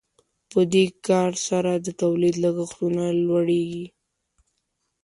په دې کار سره د تولید لګښتونه لوړیږي.